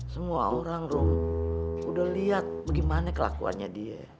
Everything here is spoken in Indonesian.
semua orang rom udah liat bagaimana kelakuannya dia